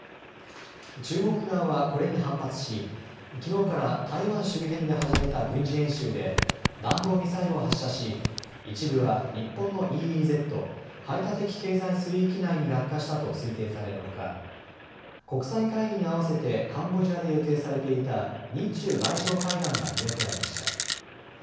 中国側はこれに反発しきのうから台湾周辺で始めた軍事演習で弾道ミサイルを発射し一部は日本のＥＥＺ・排他的経済水域内に落下したと推定されるほか国際会議に合わせてカンボジアで予定されていた日中外相会談が見送られました。